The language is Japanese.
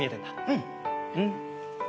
うん。